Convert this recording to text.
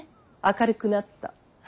明るくなった。